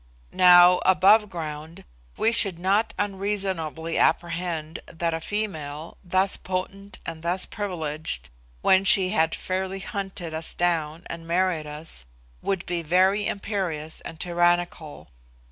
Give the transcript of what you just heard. Now, above ground, we should not unreasonably apprehend that a female, thus potent and thus privileged, when she had fairly hunted us down and married us, would be very imperious and tyrannical.